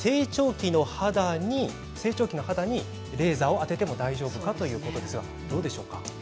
成長期の肌にレーザーを当てても大丈夫かということですがどうでしょうか。